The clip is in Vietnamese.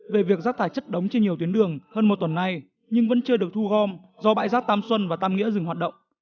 về việc rác thải chất đóng trên nhiều tuyến đường hơn một tuần nay nhưng vẫn chưa được thu gom do bãi rác tam xuân và tam nghĩa dừng hoạt động